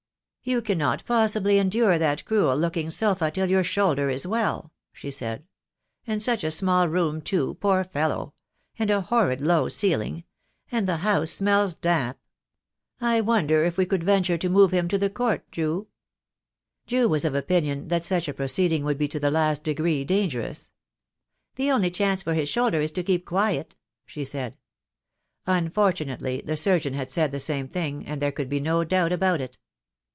"You cannot possibly endure that cruel looking sofa till your shoulder is well," she said, "and such a small room, too, poor fellow; and a horrid low ceiling; and the house smells damp. I wonder if we could venture to move him to the Court, Ju?" Ju was of opinion that such a proceeding would be to the last degree dangerous. "The only chance for his shoulder is to keep quiet," she said. Unfortunately, the surgeon had said the same thing, and there could be no doubt about it.